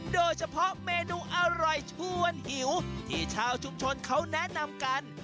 โดยเฉพาะเมนูอร่อยชวนหิวที่ชาวชุมชนเขาแนะนำกัน